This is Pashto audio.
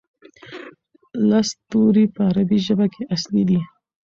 لس توري په عربي ژبه کې اصلي دي.